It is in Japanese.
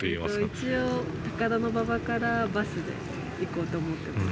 一応、高田馬場からバスで行こうと思ってます。